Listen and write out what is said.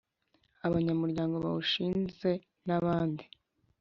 Abanyamuryango bawushinze n abandi